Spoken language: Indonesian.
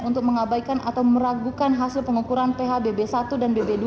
untuk mengabaikan atau meragukan hasil pengukuran ph bb satu dan bb dua